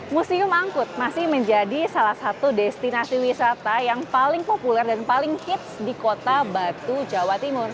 museum angkut masih menjadi salah satu destinasi wisata yang paling populer dan paling hits di kota batu jawa timur